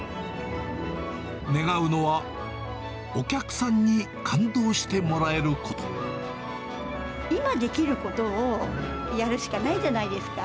願うのは、お客さんに感動しても今できることをやるしかないじゃないですか。